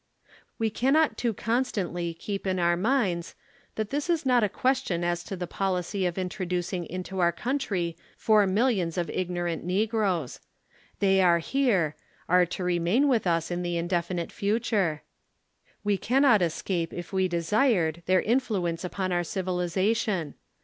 We cannot too constantly keep in our minds, that this is not a question as to the policy of introducing into our coun try four millions of ignorant negroes. They are here, are to remain with us in the indefinite future. We cannot escape 17 if we desired, their influence upon our civilization.